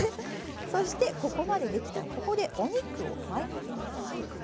そしてここまでできたらここでお肉を巻いていきます。